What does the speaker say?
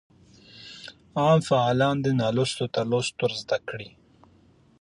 عام فعالان دي نالوستو ته لوست ورزده کړي.